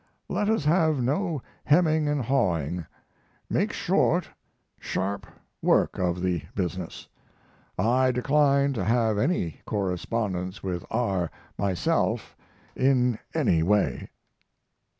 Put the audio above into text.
Let us have no hemming and hawing; make short, sharp work of the business. I decline to have any correspondence with R. myself in any way.